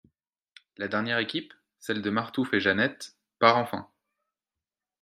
La dernière équipe, celle de Martouf et Janet, part enfin.